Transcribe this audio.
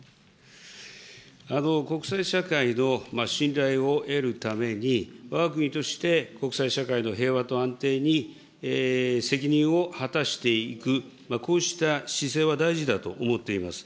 国際社会の信頼を得るために、わが国として国際社会の平和と安定に責任を果たしていく、こうした姿勢は大事だと思っています。